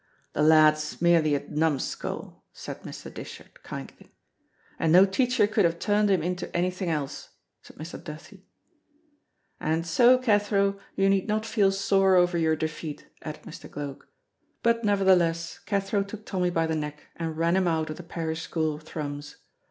"The lad is merely a numskull," said Mr. Dishart, kindly. "And no teacher could have turned him into anything else," said Mr. Duthie. "And so, Cathro, you need not feel sore over your defeat," added Mr. Gloag; but nevertheless Cathro took Tommy by the neck and ran him out of the parish school of Thrums.